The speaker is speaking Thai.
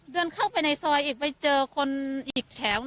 เดินเข้าไปในซอยเจอคนอีกแถว